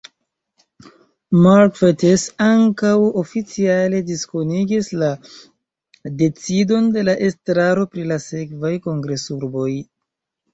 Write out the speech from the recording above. Mark Fettes ankaŭ oficiale diskonigis la decidon de la estraro pri la sekvaj kongresurboj.